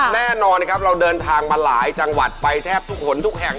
แน่นอนนะครับเราเดินทางมาหลายจังหวัดไปแทบทุกคนทุกแห่ง